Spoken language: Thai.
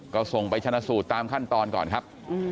ก็ส่งไปชนะสูตรตามขั้นตอนก่อนครับ